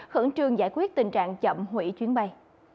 khẩn trương giải quyết tình trạng chậm hủy chuyến bay